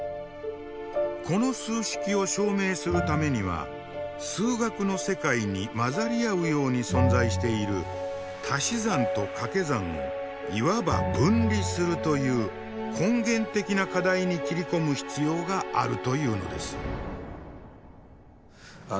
この数式を証明するためには数学の世界に混ざり合うように存在しているたし算とかけ算をいわば分離するという根源的な課題に切り込む必要があるというのです。